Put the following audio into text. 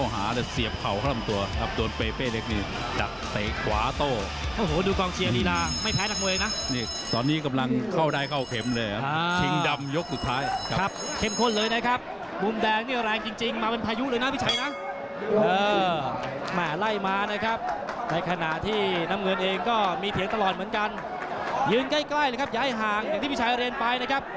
ไฮไลท์อย่างจริงยกนี้ดูเดินนะครับ